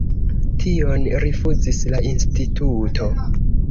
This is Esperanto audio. Tion rifuzis la instituto.